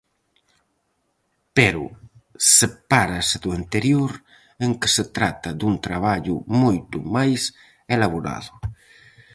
Pero sepárase do anterior en que se trata dun traballo moito máis elaborado.